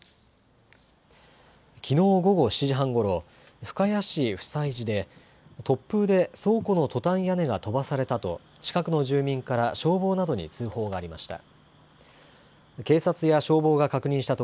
きのう午後７時半ごろ、深谷市普済寺で、突風で倉庫のトタン屋根が飛ばされたと、近くの住民から消防などに通報がありました。